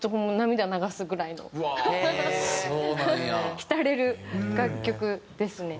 浸れる楽曲ですね。